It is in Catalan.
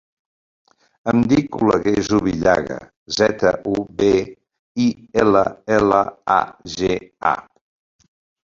Em dic Oleguer Zubillaga: zeta, u, be, i, ela, ela, a, ge, a.